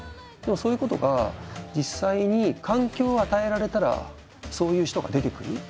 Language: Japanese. でもそういうことが実際に環境を与えられたらそういう人が出てくる。